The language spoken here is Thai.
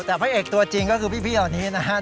แต่พระเอกตัวจริงก็คือพี่เหล่านี้นะครับ